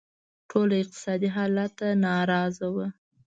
ټول له اقتصادي حالت ناراضه وو.